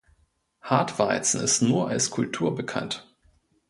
Hartweizen ist nur als Kultur bekannt.